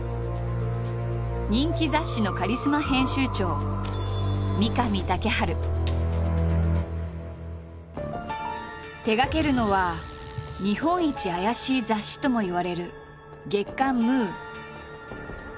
人気雑誌のカリスマ編集長手がけるのは「日本一アヤシイ雑誌」ともいわれる月刊「ムー」。